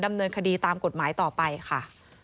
ดำเนินคดีตามกฎหมายต่อไปค่ะ